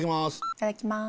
いただきます。